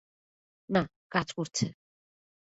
না, কাজ করছে।